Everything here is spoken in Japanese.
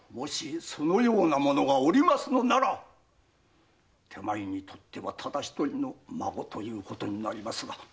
そのような者がおりますのなら手前にとってはただひとりの孫ということになりますが。